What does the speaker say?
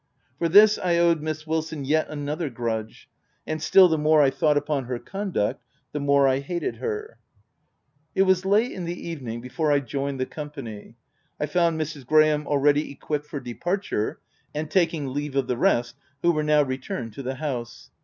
For this I owed Miss Wilson yet another grudge ; and still the more I thought upon her conduct, the more I hated her. 174 THE TENANT It was late in the evening before I joined the company. I found Mrs. Graham already equip ped for departure, and taking leave of the rest, who were now returned to the house.